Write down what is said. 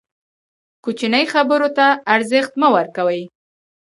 کوچنۍ خبرو ته ارزښت مه ورکوئ!